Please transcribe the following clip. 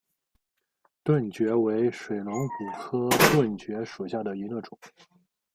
盾蕨为水龙骨科盾蕨属下的一个种。